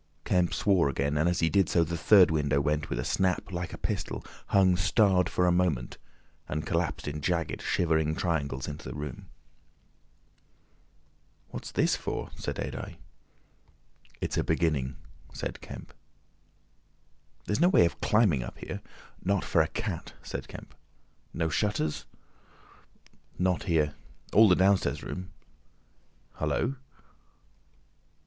Kemp swore again, and as he did so the third window went with a snap like a pistol, hung starred for a moment, and collapsed in jagged, shivering triangles into the room. "What's this for?" said Adye. "It's a beginning," said Kemp. "There's no way of climbing up here?" "Not for a cat," said Kemp. "No shutters?" "Not here. All the downstairs rooms—Hullo!"